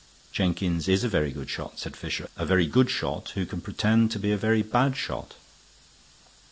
"Jenkins is a very good shot," said Fisher. "A very good shot who can pretend to be a very bad shot.